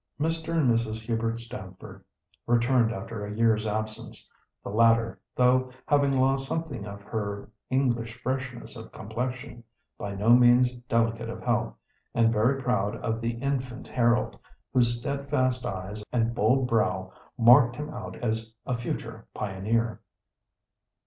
Mr. and Mrs. Hubert Stamford returned after a year's absence, the latter, though having lost something of her English freshness of complexion, by no means delicate of health, and very proud of the infant Harold, whose steadfast eyes and bold brow marked him out as a future pioneer.